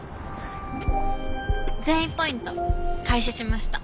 善意ポイント開始しました。